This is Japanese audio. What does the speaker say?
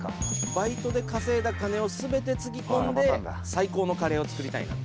バイトで稼いだ金をすべてつぎ込んで、最高のカレーを作りたいなと。